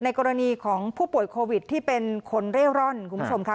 กรณีของผู้ป่วยโควิดที่เป็นคนเร่ร่อนคุณผู้ชมค่ะ